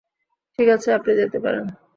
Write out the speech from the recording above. ঠিক আছে, আপনি যেতে পারেন।